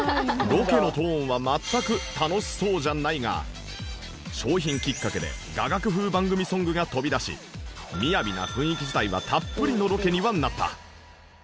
ロケのトーンは商品きっかけで雅楽風番組ソングが飛び出し雅な雰囲気自体はたっぷりのロケにはなった